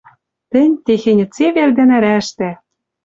Тӹнь, техеньӹ цевер дӓ нӓрӓштӓ